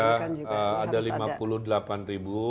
karena bukan juga harus ada